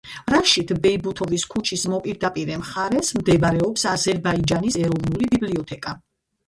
რაშიდ ბეიბუთოვის ქუჩის მოპირდაპირე მხარეს მდებარეობს აზერბაიჯანის ეროვნული ბიბლიოთეკა.